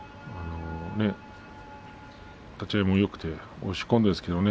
立ち合いもよくて押し込んだんですがね。